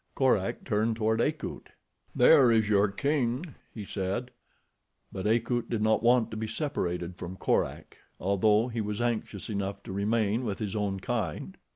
Korak turned toward Akut. "There is your king," he said. But Akut did not want to be separated from Korak, although he was anxious enough to remain with his own kind.